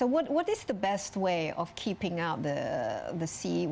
untuk mengembangkan air laut besar